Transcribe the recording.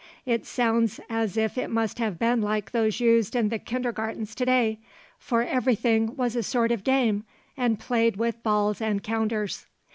It sounds as if it must have been like those used in the kindergartens to day, for everything was a sort of game, and played with balls and counters.